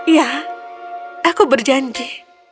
ya aku berjanji